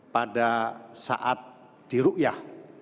pada saat dirukyah